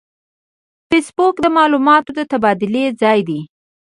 فېسبوک د معلوماتو د تبادلې ځای دی